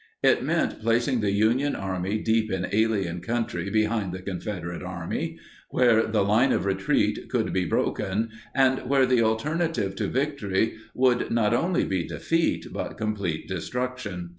It meant placing the Union Army deep in alien country behind the Confederate Army where the line of retreat could be broken and where the alternative to victory would not only be defeat but complete destruction.